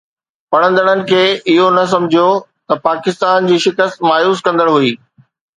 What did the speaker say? پڙهندڙن کي اهو نه سمجهيو ته پاڪستان جي شڪست مايوس ڪندڙ هئي